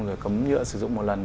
rồi cấm nhựa sử dụng một lần